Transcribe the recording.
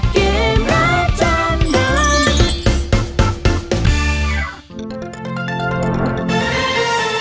โปรดติดตามตอนต่อไป